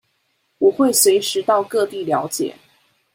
我會隨時到各地了解